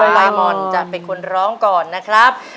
ใบมอนจะเป็นคนร้องก่อนนะครับ